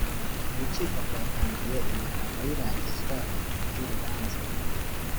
urukiko rwatangiye imihango y ‘irangizwa ry’urubanza.